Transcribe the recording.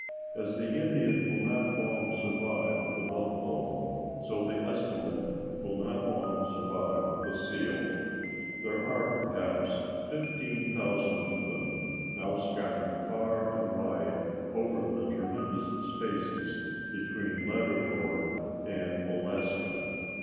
As the Indian will not long survive the buffalo, so the Eskimo will not long survive the seal. There are, perhaps, fifteen thousand of them now scattered far and wide over the tremendous spaces between Labrador and Alaska.